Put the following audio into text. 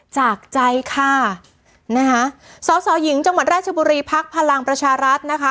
จากใจค่ะนะคะสอสอหญิงจังหวัดราชบุรีภักดิ์พลังประชารัฐนะคะ